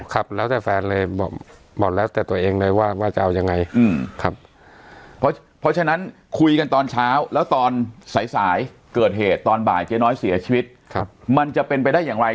ครับแล้วแต่แฟนเลยบอกแล้วแต่ตัวเองเลยว่าจะเอายังไง